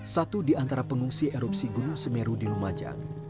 satu di antara pengungsi erupsi gunung semeru di lumajang